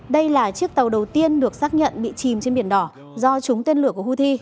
đây là chiếc tàu đầu tiên được xác nhận bị chìm trên biển đỏ do trúng tên lửa của houthi